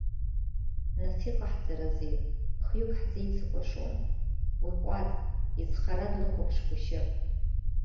Нас иҟаҳҵарызеи, хҩык ҳзеицыкәашом, уиҟәаҵ, изхара длыхәаԥшгәышьап.